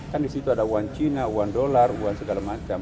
kan disitu ada uang cina uang dolar uang segala macam